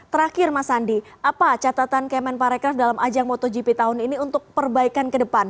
terakhir mas andi apa catatan kemen parekraf dalam ajang motogp tahun ini untuk perbaikan ke depan